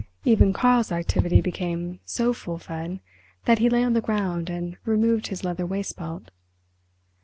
Even Karl's activity became so full fed that he lay on the ground and removed his leather waistbelt.